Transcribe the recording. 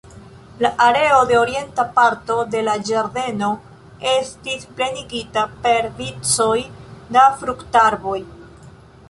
La areo de orienta parto de la ĝardeno estis plenigita per vicoj da fruktarboj.